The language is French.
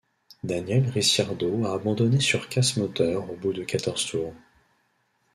Daniel Ricciardo a abandonné sur casse moteur au bout de quatorze tours.